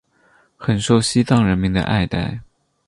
很受西藏人民的爱戴。